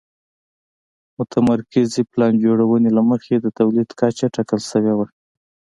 متمرکزې پلان جوړونې له مخې د تولید کچه ټاکل شوې وه.